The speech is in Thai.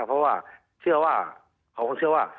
เพราะว่าเขาคงเชื่อว่า